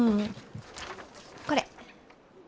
これ。